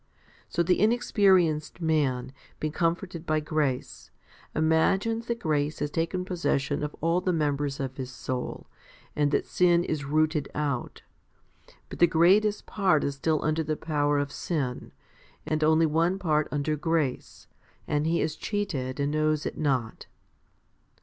So the inexperienced man, being comforted by grace, imagines that grace has taken posses sion of all the members of his soul, and that sin is rooted out, But the greatest part is still under the power of sin, and only one part under grace ; and he is cheated and knows it not.